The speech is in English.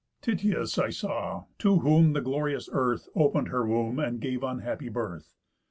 Tityus I saw, to whom the glorious earth Open'd her womb, and gave unhappy birth.